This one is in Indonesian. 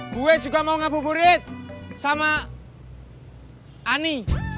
gue juga mau ngabuburit sama ani